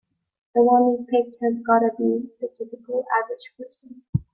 The one we pick has gotta be the typical average person.